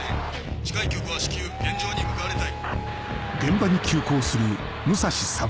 近局は至急現場に向かわれたい。